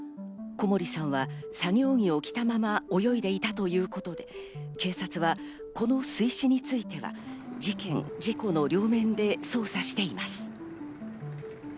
小森さんは作業着を着たまま泳いでいたということで、警察はこの水死については事件事故の両面で捜査しています。